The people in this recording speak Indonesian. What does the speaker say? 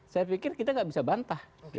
saya pikir kita nggak bisa bantah